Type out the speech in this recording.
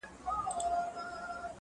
• کشپ ګوری چي اسمان ته پورته کیږي -